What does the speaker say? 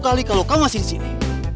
dua puluh kali kalau kamu masih disini